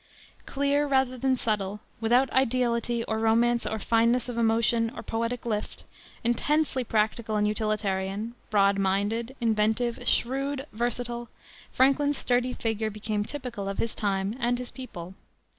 Clear rather than subtle, without ideality or romance or fineness of emotion or poetic lift, intensely practical and utilitarian, broad minded, inventive, shrewd, versatile, Franklin's sturdy figure became typical of his time and his people.